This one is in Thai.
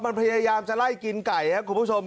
มันพยายามจะไล่กินไก่ครับคุณผู้ชม